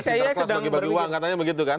ada interklas bagi bagi uang katanya begitu kan